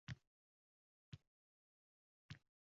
Bu qiynoqdan